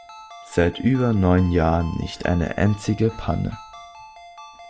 Seit über neun Jahren nicht eine einzige Panne.